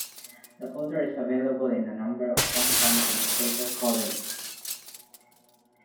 The Kultur is available in a number of transparent demonstrator colors.